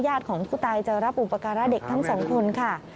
ของผู้ตายจะรับอุปการะเด็กทั้งสองคนค่ะ